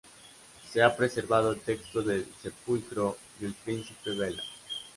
Se ha preservado el texto del sepulcro del príncipe Bela.